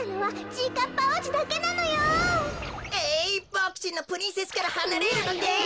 ボクちんのプリンセスからはなれるのです！